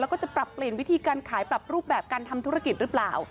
แล้วก็จะปรับเปลี่ยนวิธีการขายปรับรูปแบบการทำธุรกิจหรือเปล่า